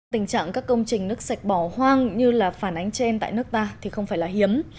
tình trạng các công trình nước sạch bỏ hoang như là phản ánh trên tại nước ta thì không phải là hiếm